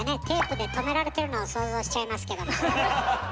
テープで留められてるのを想像しちゃいますけども。